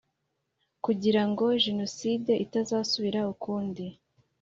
Kugira ngo jenoside itazasubira ukundi